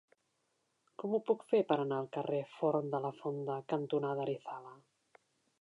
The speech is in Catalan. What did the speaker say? Com ho puc fer per anar al carrer Forn de la Fonda cantonada Arizala?